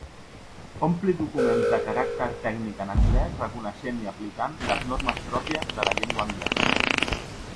Ompli documents de caràcter tècnic en anglés reconeixent i aplicant les normes pròpies de la llengua anglesa.